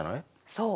そう。